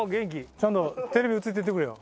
ちゃんとテレビ映っといてくれよ。